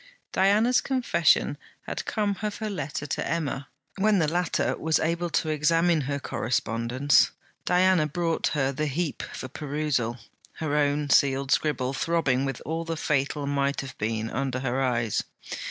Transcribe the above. Diana's confession had come of her letter to Emma. When the latter was able to examine her correspondence, Diana brought her the heap for perusal, her own sealed scribble, throbbing with all the fatal might have been, under her eyes.